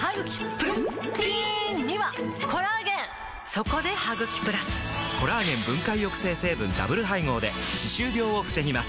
そこで「ハグキプラス」！コラーゲン分解抑制成分ダブル配合で歯周病を防ぎます